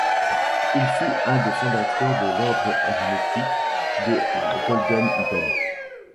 Il fut un des fondateurs de l'Ordre hermétique de la Golden Dawn.